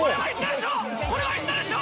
これはいったでしょ。